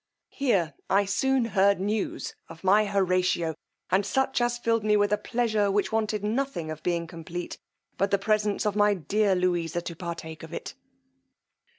Here I soon heard news of my Horatio, and such as filled me with a pleasure, which wanted nothing of being complete but the presence of my dear Louisa to partake of it.